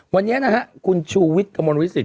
วันเนี้ยนะฮะคุณชูวิชครมวลวิสิทธิ์